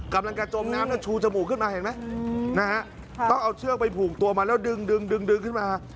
กำลังจะจมน้ำแล้วชูจมูกขึ้นมาเห็นไหมนะฮะต้องเอาเชือกไปผูกตัวมาแล้วดึงดึงขึ้นมา